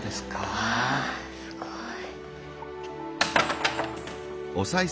わあすごい。